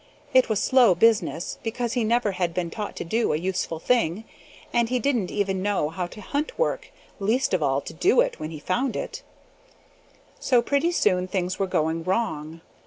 It was slow business, because he never had been taught to do a useful thing, and he didn't even know how to hunt work, least of all to do it when he found it; so pretty soon things were going wrong.